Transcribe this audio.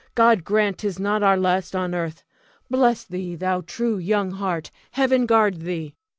God grant 'tis not our last on earth! Bless thee, thou true young heart! Heaven guard thee!